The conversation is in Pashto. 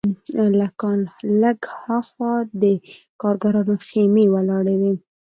له کان لږ هاخوا د کارګرانو خیمې ولاړې وې